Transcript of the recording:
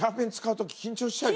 緊張しちゃう！